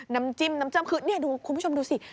น้ำจิ้มน้ำเจ้มคือนี่คุณผู้ชมดูสิ